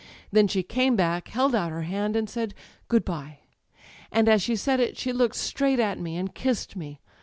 Then she came back, held out her hand, and said: * Good bye.' And as she said it she looked straight at me and kissed me.